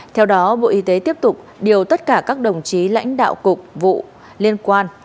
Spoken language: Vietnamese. theo đó bộ y tế tiếp tục điều tất cả các đồng chí lãnh đạo cục vụ liên quan